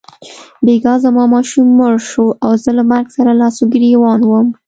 بیګا زما ماشوم مړ شو او زه له مرګ سره لاس او ګرېوان وم.